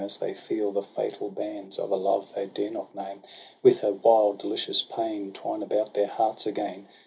As they feel the fatal bands Of a love they dare not name. With a wild delicious pain, Twine about their hearts again